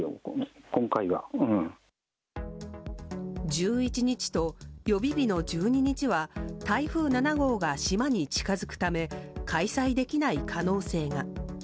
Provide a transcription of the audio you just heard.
１１日と予備日の１２日は台風７号が島に近づくため開催できない可能性が。